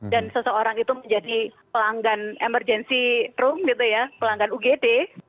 dan seseorang itu menjadi pelanggan emergency room gitu ya pelanggan ugd